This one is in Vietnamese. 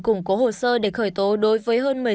củng cố hồ sơ để khởi tố đối với hơn